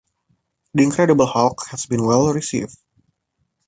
The Incredible Hulk has been well received.